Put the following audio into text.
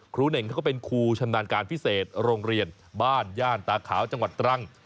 เน่งเขาก็เป็นครูชำนาญการพิเศษโรงเรียนบ้านย่านตาขาวจังหวัดตรัง